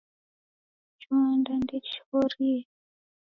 Chonda ndechihorie.